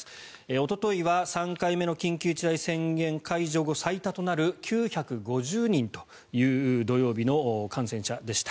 おとといは３回目の緊急事態宣言解除後最多となる９５０人という土曜日の感染者でした。